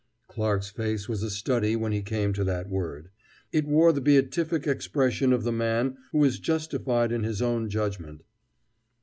Clarke's face was a study when he came to that word. It wore the beatific expression of the man who is justified in his own judgment.